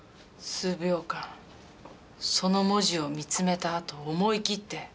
数秒間その文字を見つめたあと思い切って。